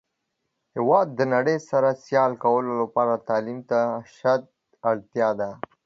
هیواد د نړۍ سره سیال کولو لپاره تعلیم ته اشده اړتیا ده.